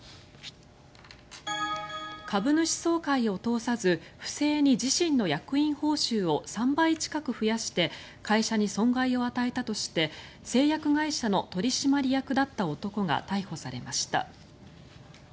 株主総会を通さず不正に自身の役員報酬を３倍近く増やして会社に損害を与えたとして製薬会社の取締役だった男が逮捕されました。